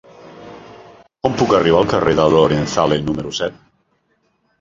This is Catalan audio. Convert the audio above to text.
Com puc arribar al carrer de Lorenzale número set?